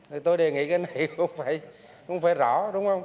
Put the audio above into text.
thì tôi đề nghị cái này không phải rõ đúng không